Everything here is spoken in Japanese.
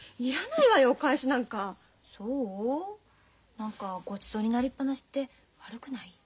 何かごちそうになりっ放しって悪くない？